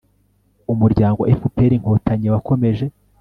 umuryango fpr-inkotanyi wakomeje